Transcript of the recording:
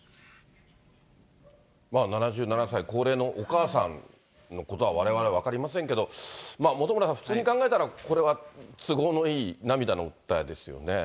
７７歳、高齢のお母さんのことは、われわれ、分かりませんけど、本村さん、普通に考えたら、これは都合のいい涙の訴えですよね。